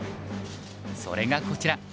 それがこちら。